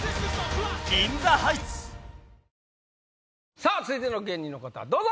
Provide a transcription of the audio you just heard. さぁ続いての芸人の方どうぞ！